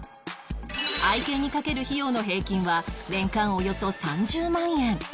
愛犬にかける費用の平均は年間およそ３０万円